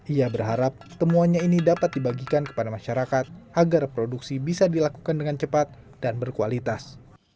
ia berharap temuannya ini dapat dibagikan kepada masyarakat agar produksi bisa dilakukan dengan cepat dan berkualitas